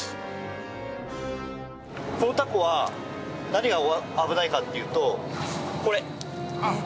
このタコは何が危ないかっていうとこれ。